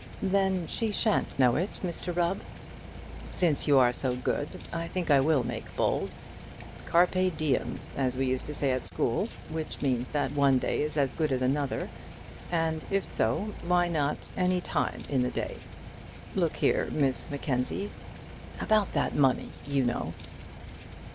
"Then she shan't know it, Mr Rubb." "Since you are so good, I think I will make bold. Carpe diem, as we used to say at school, which means that one day is as good as another, and, if so why not any time in the day? Look here, Miss Mackenzie about that money, you know."